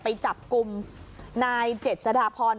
ไปจับกลุ่มนายเจ็ดสดาพร